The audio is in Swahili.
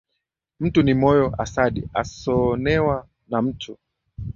Mtu ni moyo asadi, asoonewa na mtu